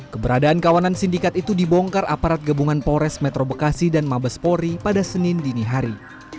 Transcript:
keberadaan kawanan sindikat itu dibongkar aparat gabungan polres metro bekasi dan mabespori pada senin dini hari